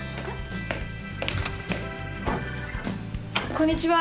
こんにちは。